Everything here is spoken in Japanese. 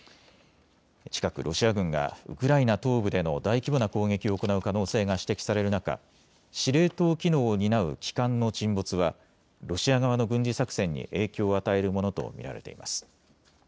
近くロシア軍がウクライナ東部での大規模な攻撃を行う可能性が指摘される中、司令塔機能を担う旗艦の沈没はロシア側の軍事作戦に影響を与えるものと見られています。